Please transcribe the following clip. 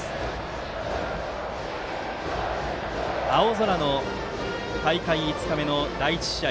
青空の大会５日目の第１試合。